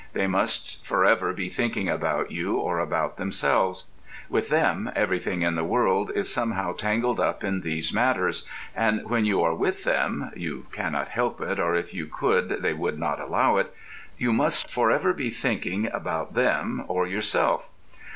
They must forever be thinking about you or about themselves; with them everything in the world is somehow tangled up in these matters; and when you are with them (you cannot help it, or if you could they would not allow it) you must forever be thinking about them or yourself.